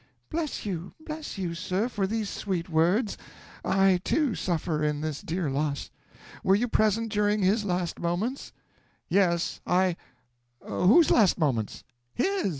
"'Bless you! bless you, sir, for these sweet words! I, too, suffer in this dear loss. Were you present during his last moments?' "'Yes. I whose last moments?' "'His.